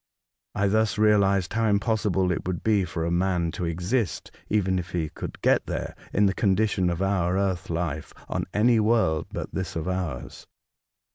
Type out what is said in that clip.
I thus realised how impossible it would be for a man to exist, even if he could get there, in the con dition of our earth life, on any world but this of ours.